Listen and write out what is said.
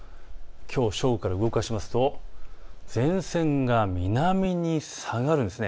きょう正午から動かしますと前線が南に下がるんです。